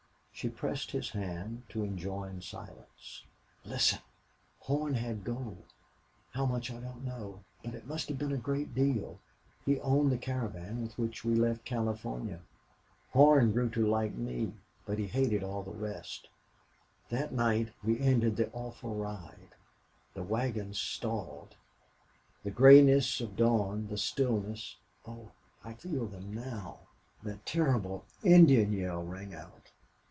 She pressed his hand to enjoin silence. "Listen! Horn had gold. How much I don't know. But it must have been a great deal. He owned the caravan with which we left California. Horn grew to like me. But he hated all the rest.... That night we ended the awful ride! The wagons stalled!... The grayness of dawn the stillness oh, I feel them now!... That terrible Indian yell rang out.